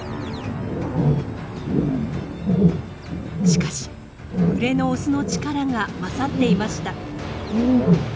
しかし群れのオスの力が勝っていました。